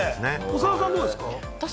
長田さんはどうですか？